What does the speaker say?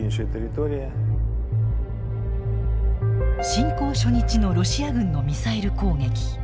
侵攻初日のロシア軍のミサイル攻撃。